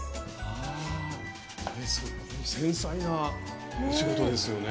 繊細なお仕事ですよね。